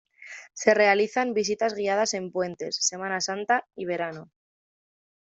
Se realizan visitas guiadas en puentes, Semana Santa y verano.